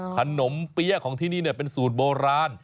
เปี๊ยะของที่นี่เป็นสูตรโบราณ